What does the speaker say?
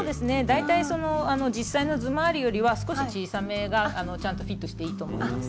大体その実際の頭回りよりは少し小さめがちゃんとフィットしていいと思います。